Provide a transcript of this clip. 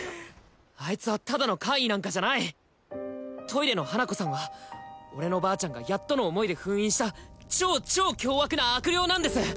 あいつはただの怪異なんかじゃないトイレの花子さんは俺のばあちゃんがやっとの思いで封印した超超凶悪な悪霊なんです